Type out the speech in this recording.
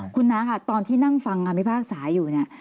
คุณน้าค่ะตอนที่นั่งฟังคำพิพากษาอยู่เนี่ย